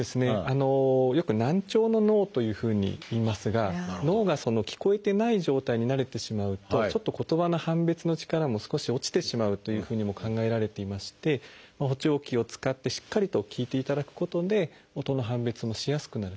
よく「難聴の脳」というふうにいいますが脳が聞こえてない状態に慣れてしまうとちょっと言葉の判別の力も少し落ちてしまうというふうにも考えられていまして補聴器を使ってしっかりと聞いていただくことで音の判別もしやすくなると。